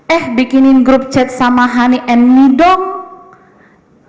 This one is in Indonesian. eh bikinin grup chat sama honey and me doang ya